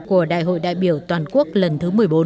của đại hội đại biểu toàn quốc lần thứ một mươi bốn